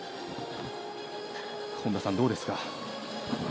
本田さん、どうですか？